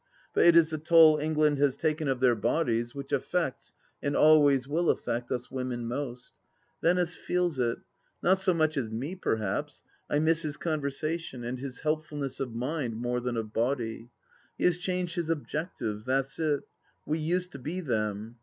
But it is the toll England has taken of their bodies which affects, and always will affect, us women most. Venice feels it ; not so much as me, perhaps. ... I miss his conversation — ^and his helpful ness of mind more than of body. ... He has changed his objectives, that's it ; we used to be them.